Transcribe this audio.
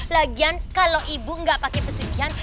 lagian kalau ibu nggak pakai pesucian